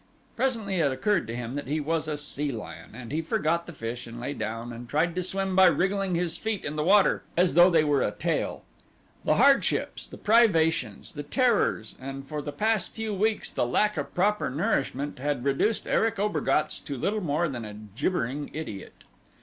Presently it occurred to him that he was a sea lion and he forgot the fish and lay down and tried to swim by wriggling his feet in the water as though they were a tail. The hardships, the privations, the terrors, and for the past few weeks the lack of proper nourishment had reduced Erich Obergatz to little more than a gibbering idiot.